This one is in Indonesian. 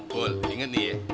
paul ingat nih ya